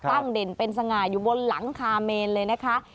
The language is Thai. เด่นเป็นสง่าอยู่บนหลังคาเมนเลยนะคะ